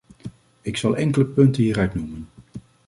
Ik zal enkele punten hieruit noemen.